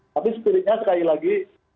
tapi spiritnya sekali lagi